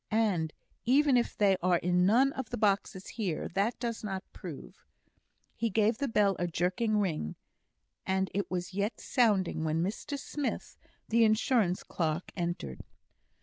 And even if they are in none of the boxes here, that does not prove " He gave the bell a jerking ring, and it was yet sounding when Mr Smith, the insurance clerk, entered.